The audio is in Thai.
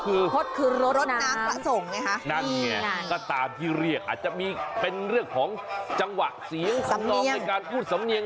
ก็คือรดน้ำนั่นเหมือนการที่เรียกอาจจะมีเป็นเรื่องของจังหวะเสียงศำเนียง